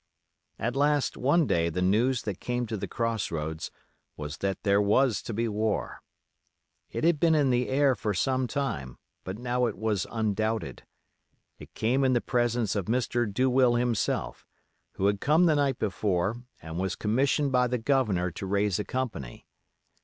At last one day the news that came to the Cross roads was that there was to be war. It had been in the air for some time, but now it was undoubted. It came in the presence of Mr. Douwill himself, who had come the night before and was commissioned by the Governor to raise a company.